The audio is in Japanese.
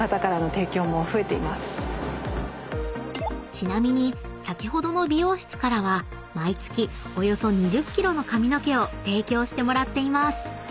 ［ちなみに先ほどの美容室からは毎月およそ２０ｋｇの髪の毛を提供してもらっています］